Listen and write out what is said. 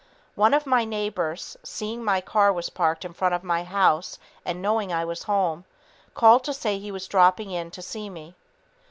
One of my neighbors, seeing my car was parked in front of my house and knowing I was home, called to say he was dropping in to see me.